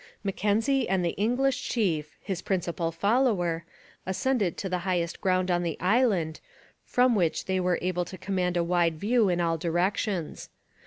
Mackenzie and 'English Chief,' his principal follower, ascended to the highest ground on the island, from which they were able to command a wide view in all directions.